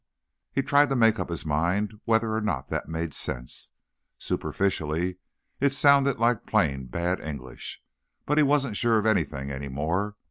He tried to make up his mind whether or not that made sense. Superficially, it sounded like plain bad English, but he wasn't sure of anything any more.